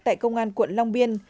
tại công an quận long biên